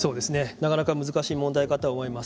なかなか難しい問題かと思います。